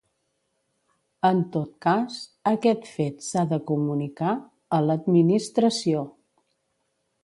En tot cas, aquest fet s'ha de comunicar a l'Administració.